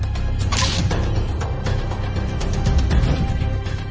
ยันอาท